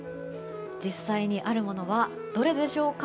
実際にあるものはどれでしょうか？